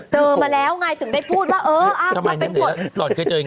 เจอมาแล้วถึงได้พูดว่าเหอะพี่เป็นคน